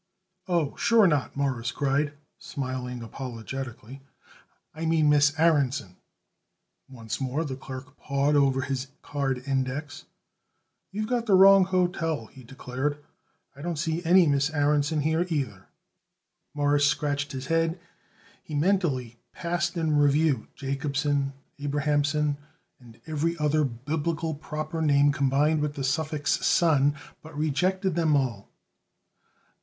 "Oh, sure not," Morris cried, smiling apologetically. "I mean Miss Aaronson." Once more the clerk pawed over his card index. "You've got the wrong hotel," he declared. "I don't see any Miss Aaronson here, either." Morris scratched his head. He mentally passed in review Jacobson, Abrahamson, and every other Biblical proper name combined with the suffix "son," but rejected them all.